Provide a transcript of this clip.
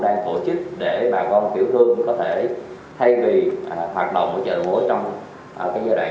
đang tổ chức để bà con tiểu thương có thể thay vì hoạt động của chợ đồng hối trong cái giai đoạn